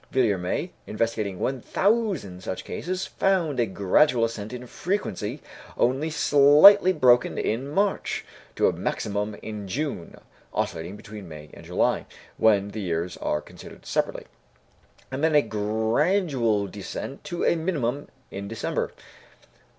Villermé, investigating 1,000 such cases, found a gradual ascent in frequency (only slightly broken in March) to a maximum in June (oscillating between May and July, when the years are considered separately), and then a gradual descent to a minimum in December.